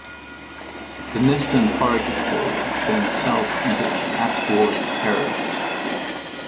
The Neston Park estate extends south into Atworth parish.